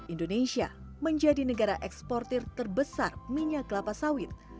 indonesia menjadi negara eksportir terbesar minyak kelapa sawit